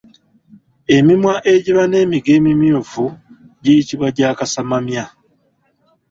Emimwa egiba n’emigo emimyufu giyitibwa gya kasamamya.